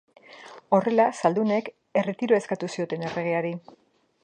Horrela, zaldunek erretiroa eskatu zioten erregeari.